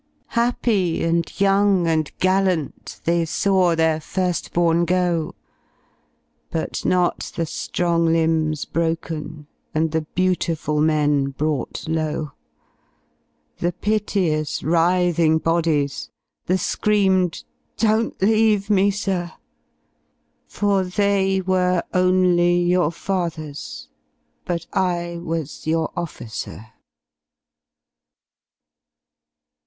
Happy and young and gallant, They saw their first bom go, 41 But not the strong limbs broken And the beautiful men brought low, The piteous writhing bodies, The screamed, " Don't leave me, Sir," For they were only your fathers But I was your officer.